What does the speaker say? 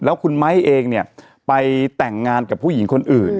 แล้วคุณไม้เองเนี่ยไปแต่งงานกับผู้หญิงคนอื่น